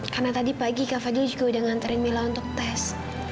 karena tadi pagi kak fadil juga udah nganterin mila untuk tes